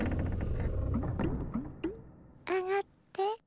あがって。